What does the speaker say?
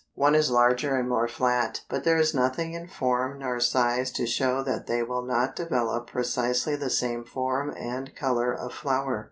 One is larger and more flat. But there is nothing in form nor size to show that they will not develop precisely the same form and color of flower.